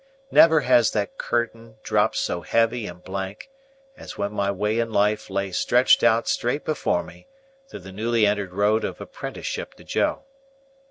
Never has that curtain dropped so heavy and blank, as when my way in life lay stretched out straight before me through the newly entered road of apprenticeship to Joe.